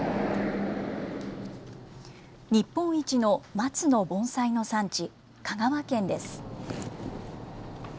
日本一の松の盆栽の産地、香川県です。